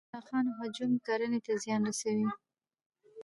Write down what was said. د ملخانو هجوم کرنې ته زیان رسوي